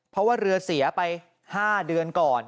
เพราะว่าเรือเสียไป๕เดือนก่อน